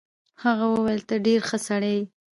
هغه وویل ته ډېر ښه سړی یې.